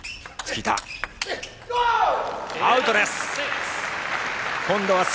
アウトです。